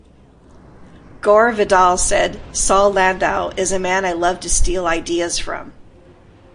Gore Vidal said, Saul Landau is a man I love to steal ideas from.